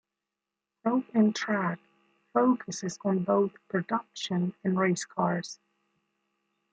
"Road and Track" focuses on both production and race cars.